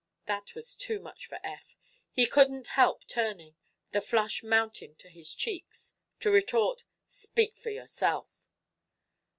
That was too much for Eph. He couldn't help turning, the flush mounting to his cheeks, to retort: "Speak for yourself!"